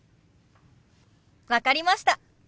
分かりました。